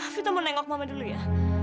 vito mau nengok mama dulu ya